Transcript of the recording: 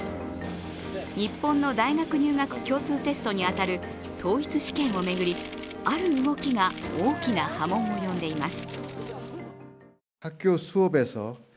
日本の大学入学共通テストに当たる統一試験を巡りある動きが大ききな波紋を呼んでいます。